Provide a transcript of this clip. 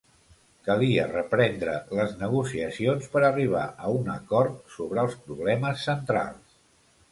Calia reprendre les negociacions per arribar a un acord sobre els problemes centrals.